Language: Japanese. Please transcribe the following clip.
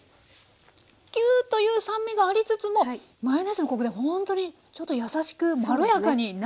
キューッという酸味がありつつもマヨネーズのコクでほんとにちょっと優しくまろやかになってますね。